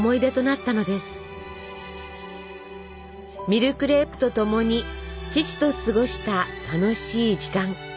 ミルクレープとともに父と過ごした楽しい時間。